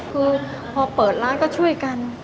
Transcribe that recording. คือพอเปิดร้านก็ช่วยกัน